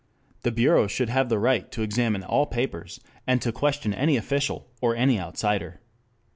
The bureau should have the right to examine all papers, and to question any official or any outsider.